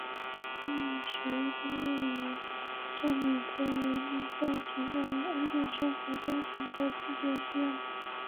心理学一般认为这满足了人们在平凡安定的生活中寻求刺激的需要。